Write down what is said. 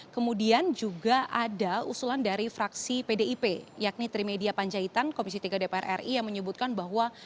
kemudian juga ada usulan dari fraksi pdip yakni trimedia panjaitan komisi tiga dpr ri yang menyebutkan bahwa